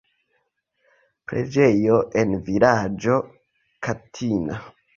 Preĝejo en vilaĝo Katina.